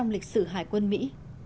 lịch sử hải quân mỹ